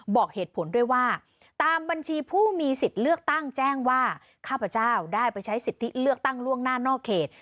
บอกเหตุผลด้วยว่าตามบัญชีผู้มีสิทธิ์เลือกตั้งแจ้งว่าข้าพเจ้าได้ไปใช้สิทธิเลือกตั้งล่วงหน้านอกเขต